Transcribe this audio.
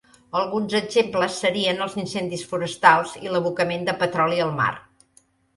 Alguns exemples serien els incendis forestals i l'abocament de petroli al mar.